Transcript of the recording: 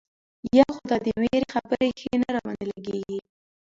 یو خو دا د وېرې خبرې ښې نه را باندې لګېږي.